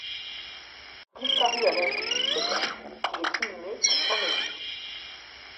Disparu à l’âge de dix-sept ans, il est inhumé à Saint-Denis.